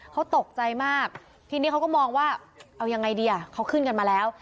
เขาตกใจมากทีนี้เขาก็มองว่าเอายังไงดีอ่ะเขาขึ้นกันมาแล้ว